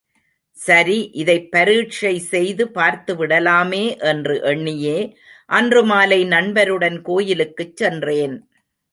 சரி இதை பரீக்ஷை செய்து பார்த்து விடலாமே என்று எண்ணியே அன்று மாலை நண்பருடன் கோயிலுக்குச் சென்றேன்.